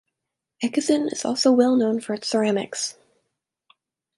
Echizen is also well known for its ceramics.